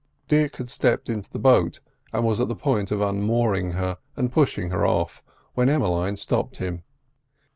Dick had stepped into the boat, and was on the point of unmooring her, and pushing her off, when Emmeline stopped him.